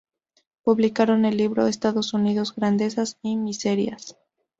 Publicaron el libro "Estados Unidos, Grandezas y Miserias".